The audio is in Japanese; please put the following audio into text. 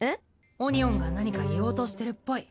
オニオンが何か言おうとしてるっぽい。